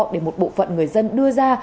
để một bộ phận người dân đưa ra